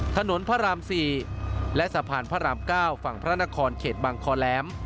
ถนนพระราม๔และสะพานพระราม๙ฝั่งพระนครเขตบางคอแหลม